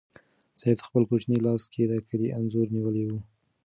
سعید په خپل کوچني لاس کې د کلي انځور نیولی و.